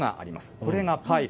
これがパイル。